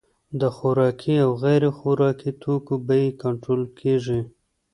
د خوراکي او غیر خوراکي توکو بیې کنټرول کیږي.